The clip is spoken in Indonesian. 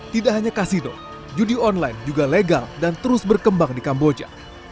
tidak hanya kasino judi online juga legal dan terus berkembang di kamboja